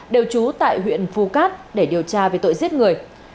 đều trú tại huyện phu cát để điều tra về tội giết người